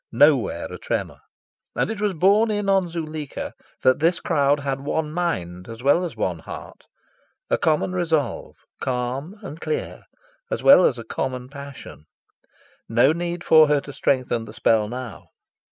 Nowhere a tremour. And it was borne in on Zuleika that this crowd had one mind as well as one heart a common resolve, calm and clear, as well as a common passion. No need for her to strengthen the spell now.